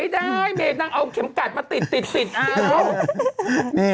อ่อประตูเบี้ยวอู้วกวิ่งกว่าเบี้ยวอีกนี่